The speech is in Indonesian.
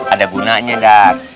ada gunanya dar